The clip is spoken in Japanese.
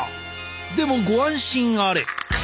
でもご安心あれ！